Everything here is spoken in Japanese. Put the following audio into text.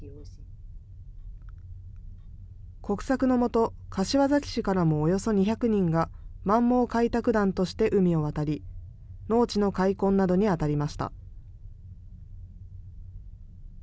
国策の下、柏崎市からもおよそ２００人が満蒙開拓団として海を渡り、農地の開墾などに当たりました。